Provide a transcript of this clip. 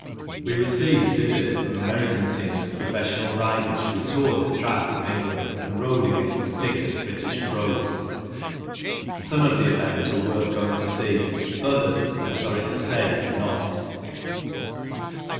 We received visits from American teams of profes sional riders who toured the tracks of England and rode against the pick of British " pros." Some of the events were worth going to see, others, I am sorry to say, were not.